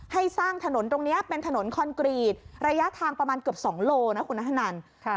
ให้สร้างถนนตรงนี้เป็นถนนคอนกรีตระยะทางประมาณเกือบ๒โลนะคุณนัทธนัน